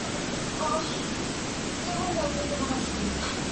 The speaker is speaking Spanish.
En ese mismo año regresó a Francia para sumarse al Paris Saint-Germain.